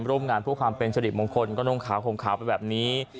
ไปร่วมงานผู้ความเป็นสดิบมงคลก็ต้องขาวคงขาวไปแบบนี้